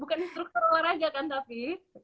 bukan instruktur luar raja kan tami